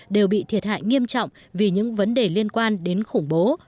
đều bị thiệt hại nghiêm trọng vì những vấn đề liên quan đến khủng bố